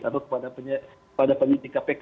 atau kepada penyidik kpk